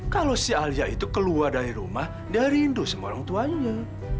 kalau si alia itu keluar dari rumah dia rindu sama orang tuanya